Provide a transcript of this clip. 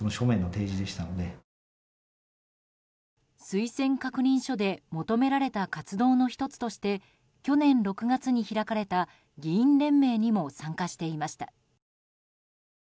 推薦確認書で求められた活動の１つとして去年６月に開かれた議員連盟にも参加していました。